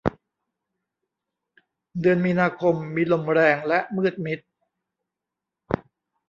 เดือนมีนาคม มีลมแรงและมืดมิด